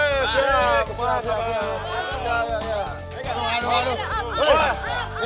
ini kayak lembaran aja ngerawas ini ada apa ini